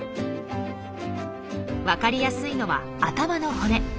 分かりやすいのは頭の骨。